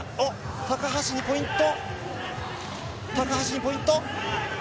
高橋にポイント。